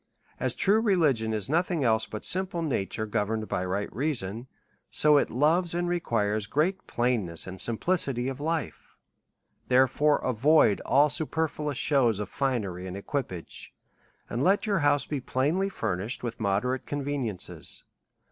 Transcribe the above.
As true religion is no thing else but simple nature governed by right reason, so it loves and requires great plainness and simplicity \ r2 244 A SERIOUS CALL TO A in life. Therefore, avoid all superfluous shows of finery and equipage, and let your house be plainly furnished with moderate conveniences.